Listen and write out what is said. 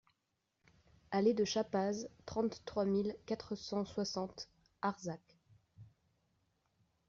Allée de Chappaz, trente-trois mille quatre cent soixante Arsac